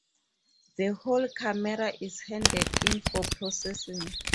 The whole camera is handed in for processing.